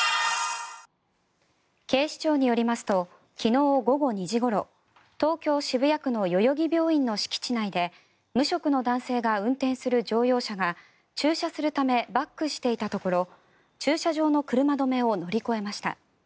警視庁によりますと昨日午後２時ごろ東京・渋谷区の代々木病院の敷地内で無職の男性が運転する乗用車が駐車するためバックしていたところ駐車場の車止めを乗り越えました。